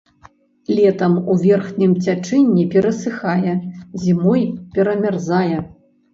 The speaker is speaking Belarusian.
Летам у верхнім цячэнні перасыхае, зімой перамярзае.